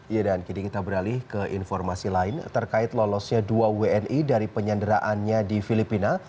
ya dan kini kita beralih ke informasi lain terkait lolosnya dua wni dari penyanderaannya di filipina